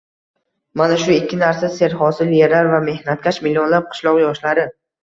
mana shu ikki narsa – serhosil yerlar va mehnatkash millionlab qishloq yoshlari